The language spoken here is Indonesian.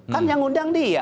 kan yang undang dia